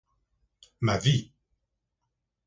Ma vie.